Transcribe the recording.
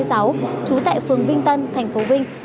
trú tại phường vinh tân thành phố vinh